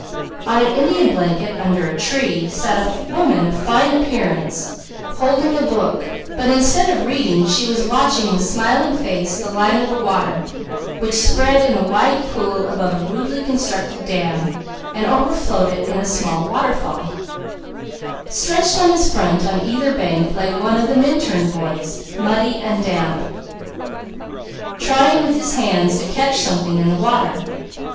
On an Indian blanket under a tree sat a woman of fine appearance holding a book, but watching with smiling face the line of the water, which spread in a wide pool above a rudely constructed dam, overflowing it in a small waterfall. On either bank lay one of the Minturn boys, muddy and damp, trying with his hands to catch something in the water.